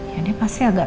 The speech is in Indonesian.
ya dia pasti agak